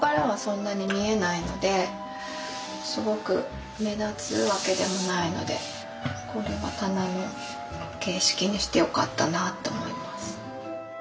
すごく目立つわけでもないのでこれは棚の形式にしてよかったなと思います。